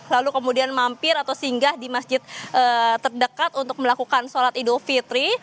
lalu kemudian mampir atau singgah di masjid terdekat untuk melakukan sholat idul fitri